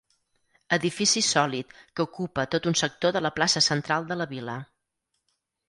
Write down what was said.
Edifici sòlid que ocupa tot un sector de la plaça central de la vil·la.